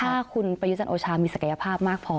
ถ้าคุณประยุจันทร์โอชามีศักยภาพมากพอ